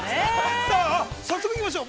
さあ、早速行きましょう。